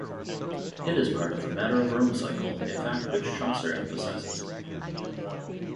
It is part of the Matter of Rome cycle, a fact which Chaucer emphasizes.